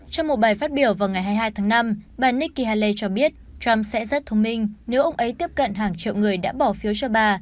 trong một bài phát biểu vào ngày hai mươi hai tháng năm bà nikki haley cho biết trump sẽ rất thông minh nếu ông ấy tiếp cận hàng triệu người đã bỏ phiếu cho bà